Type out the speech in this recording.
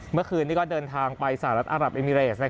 เมื่อคืนนี้ก็เดินทางไปสหรัฐอารับเอมิเรส